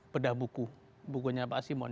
pedah buku bukunya pak simon